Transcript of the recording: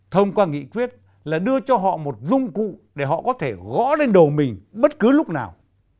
thông qua nghị quyết là đưa cho họ một dung cụ để họ có thể gõ lên đầu mình bất cứ lúc nào